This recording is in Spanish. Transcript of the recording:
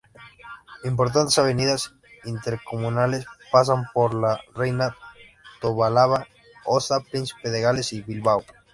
Importantes avenidas intercomunales pasan por La Reina: Tobalaba, Ossa, Príncipe de Gales y Bilbao.